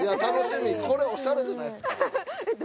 これオシャレじゃないですか。